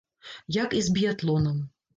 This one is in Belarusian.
Як і з біятлонам.